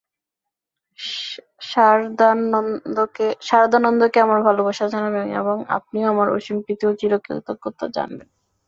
সারদানন্দকে আমার ভালবাসা জানাবেন এবং আপনিও আমার অসীম প্রীতি ও চিরকৃতজ্ঞতা জানবেন।